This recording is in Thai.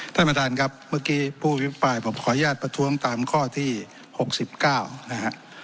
ท่านประธานครับเมื่อกี้ผู้อภิปรายผมขออนุญาตประท้วงตามข้อที่๖๙นะฮะ